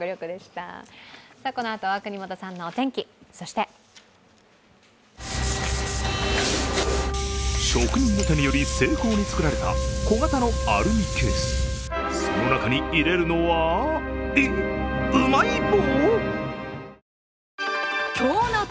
このあとは國本さんのお天気、そして職人の手で、精巧に作られた、小型のアルミケース、その中に入れるのはえっ、うまい棒！？